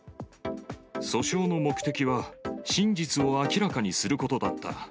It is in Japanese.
訴訟の目的は、真実を明らかにすることだった。